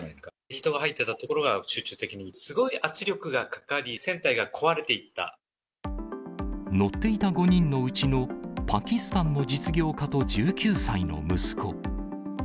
人が入ってた所が集中的にすごい圧力がかかり、船体が壊れていっ乗っていた５人のうちのパキスタンの実業家と１９歳の息子。